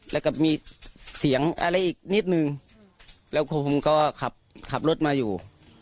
แล้วก็มีเสียงอะไรอีกนิดนึงแล้วผมก็ขับรถมาอยู่